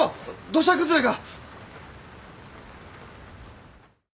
土砂崩れが！